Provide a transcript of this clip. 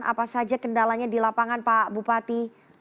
apa saja kendalanya di lapangan pak bupati